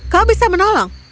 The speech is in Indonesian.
kau bisa menolong